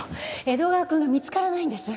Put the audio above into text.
江戸川くんが見つからないんです。